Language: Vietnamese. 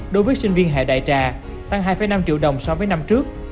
đối với sinh viên hệ đại trà tăng hai năm triệu đồng so với năm trước